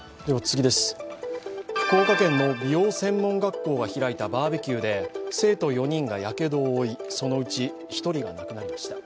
福岡県の美容専門学校が開いたバーベキューで、生徒４人がやけどを負いそのうち１人が亡くなりました。